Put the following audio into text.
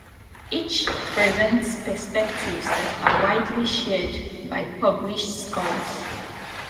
Each presents perspectives that are widely shared by published scholars.